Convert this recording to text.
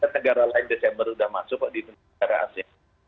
negara lain desember sudah masuk pak di negara asing